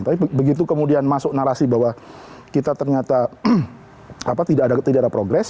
tapi begitu kemudian masuk narasi bahwa kita ternyata tidak ada progres